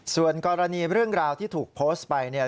ส่วนกรณีเรื่องราวที่ถูกโพสต์ไปเนี่ย